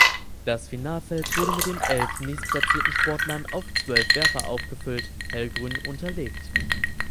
Das Finalfeld wurde mit den elf nächstplatzierten Sportlern auf zwölf Werfer aufgefüllt (hellgrün unterlegt).